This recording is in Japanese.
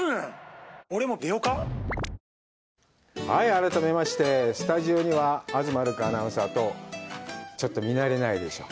改めまして、スタジオには東留伽アナウンサーと、ちょっと見慣れないでしょう？